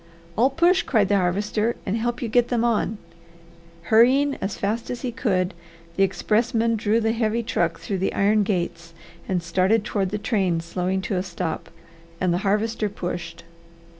"I'll push," cried the Harvester, "and help you get them on." Hurrying as fast as he could the expressman drew the heavy truck through the iron gates and started toward the train slowing to a stop, and the Harvester pushed.